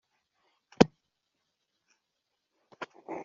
twigishijwe gutekereza ku rukundo nk'ikintu kitubaho.